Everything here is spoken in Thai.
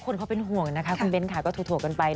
คนเขาเป็นห่วงนะคะคุณเบ้นค่ะก็ถั่วกันไป